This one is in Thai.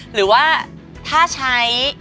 หรือว่าถ้าใช้